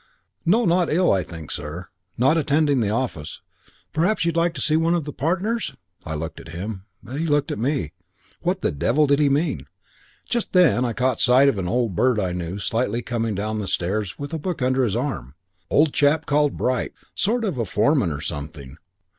"'No, not ill, I think, sir. Not attending the office. Perhaps you'd like to see one of the partners?' "I looked at him. He looked at me. What the devil did he mean? Just then I caught sight of an old bird I knew slightly coming down the stairs with a book under his arm. Old chap called Bright. Sort of foreman or something.